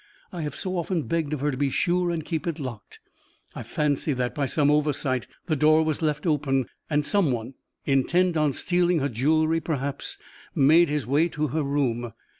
I have so often begged of her to be sure and keep it locked. I fancy that, by some oversight, the door was left open, and some one, intent on stealing her jewelry, perhaps, made his way to her room.